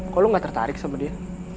kalau lo gak tertarik sama dia